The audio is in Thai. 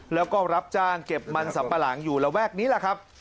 แล้วก็รับจ้างเก็บมันสัมปะหลังอยู่ระแวกนี้แหละครับ